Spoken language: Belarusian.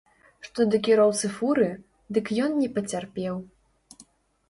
Што да кіроўцы фуры, дык ён не пацярпеў.